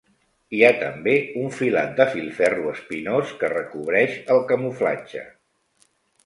Hi ha també un filat de filferro espinós que recobreix el camuflatge.